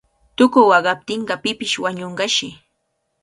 Tuku waqaptinqa pipish wañunqashi.